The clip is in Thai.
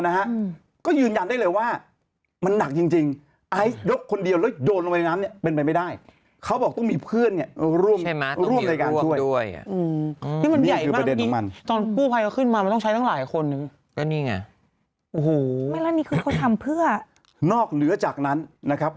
ไปขึ้นมามันใช้กันหลายคนนะเนก่อโหมผมทำเพื่อนอกเยอะจากนั้นนะครับ